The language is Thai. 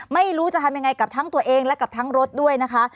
ไม่รู้จะทำยังไงกับทั้งตัวเองและกับทั้งรถด้วยนะคะ